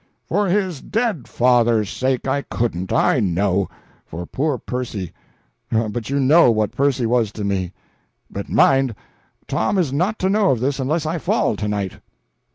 "For his dead father's sake I couldn't, I know; for poor Percy but you know what Percy was to me. But mind Tom is not to know of this unless I fall to night."